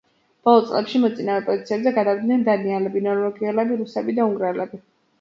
ბოლო წლებში მოწინავე პოზიციებზე გავიდნენ დანიელები, ნორვეგიელები, რუსები და უნგრელები.